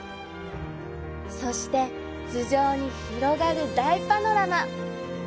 そして頭上に広がる大パノラマ。